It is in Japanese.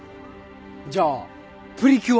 じゃあプリキュアは？